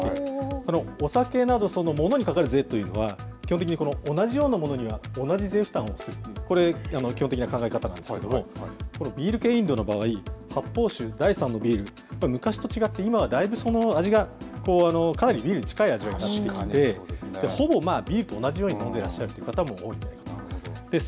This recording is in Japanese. お酒など、ものにかかる税というのは、基本的に同じようなものには同じ税負担を強いるという、基本的な考え方なんですけれども、このビール系飲料の場合、発泡酒、第３のビール、昔と違って今はだいぶ味が、かなりビールに近い味わいになってきて、ほぼビールと同じように飲んでらっしゃるという方も多いと思います。